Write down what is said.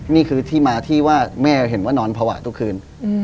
นี่คือที่มาที่ว่าแม่เห็นว่านอนภาวะทุกคืน